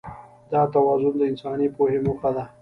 دا توازن د انساني پوهې موخه ده.